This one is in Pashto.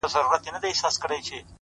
د حقیقت لاره که اوږده وي روښانه وي.!